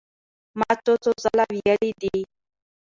ما څو څو ځله وئيلي دي